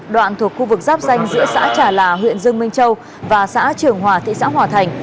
đoạn thuộc khu vực giáp danh giữa xã trà là huyện dương minh châu và xã trường hòa thị xã hòa thành